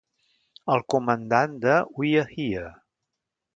El comandant de "We're Here!"